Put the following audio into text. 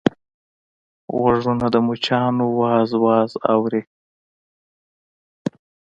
غوږونه د مچانو واز واز اوري